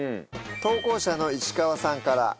投稿者の石川さんから。